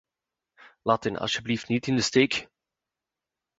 Laat hen alstublieft niet in de steek!